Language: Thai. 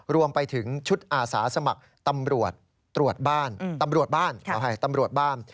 รวมไปถึงชุดอาศาสมัครตำรวจบ้าน